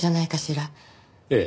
ええ。